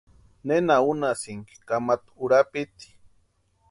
¿Nena únhasïnki kamata urapiti?